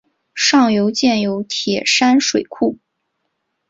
上游建有铁山水库。